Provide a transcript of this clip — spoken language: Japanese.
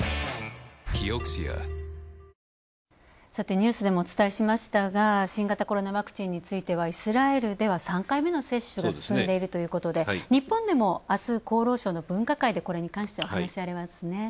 ニュースでもお伝えしましたが新型コロナワクチンについてはイスラエルでは３回目の接種が進んでいるということで日本でも、あす、厚労省の分科会でこれに関しては話し合われますね。